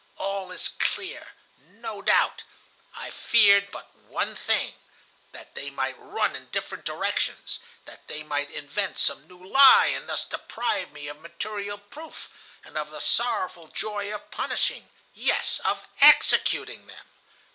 All is clear. No doubt. I feared but one thing,—that they might run in different directions, that they might invent some new lie, and thus deprive me of material proof, and of the sorrowful joy of punishing, yes, of executing them.